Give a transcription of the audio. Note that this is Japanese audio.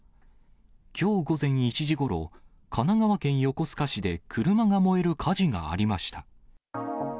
きょう午前１時ごろ、神奈川県横須賀市で車が燃える火事がありました。